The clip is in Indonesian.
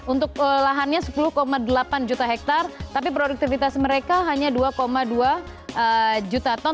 untuk lahannya sepuluh delapan juta hektare tapi produktivitas mereka hanya dua dua juta ton